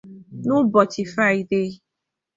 N’ụbọchị Fraịdee